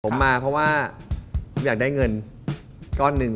ผมมาเพราะว่าผมอยากได้เงินก้อนหนึ่ง